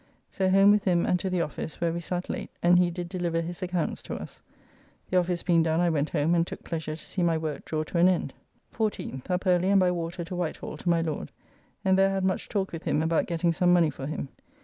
So home with him and to the office, where we sat late, and he did deliver his accounts to us. The office being done I went home and took pleasure to see my work draw to an end. 14th. Up early and by water to Whitehall to my Lord, and there had much talk with him about getting some money for him.